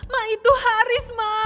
ma itu haris ma